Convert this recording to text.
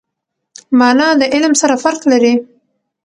مانا د علم سره فرق لري.